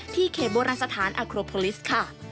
ที่เขบวรรณสถานอัครโพลิสค่ะ